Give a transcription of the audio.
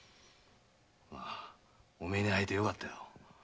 まあお前に会えてよかったよ。